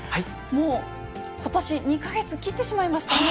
もうことし、２か月切ってしまいましたね。